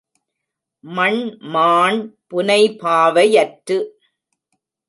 மண்மாண் புனைபாவை யற்று